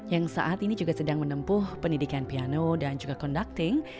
yang saat ini juga sedang menempuh pendidikan piano dan juga conducting